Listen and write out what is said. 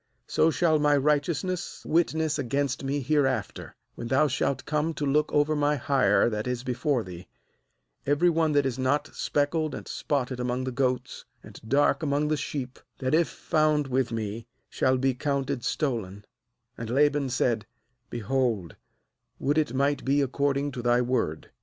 ^So shall my righteous ness witness against me hereafter, when thou shalt come to look over my hire that is before thee: every one that is not speckled and spotted among the goats, and dark among the sheep, that if found with me shall be counted stolen/ wAnd Laban said: 'Behold, would it might be according to thy word.'